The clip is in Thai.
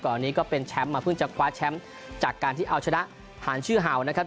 อันนี้ก็เป็นแชมป์มาเพิ่งจะคว้าแชมป์จากการที่เอาชนะผ่านชื่อเห่านะครับ